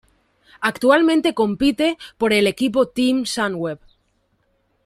Actualmente compite por el equipo Team Sunweb.